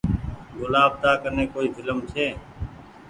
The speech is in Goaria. گلآب تا ڪني ڪوئي ڦلم ڇي۔